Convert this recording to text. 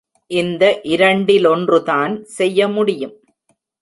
இந்த இரண்டிலொன்றுதான் செய்ய முடியும்.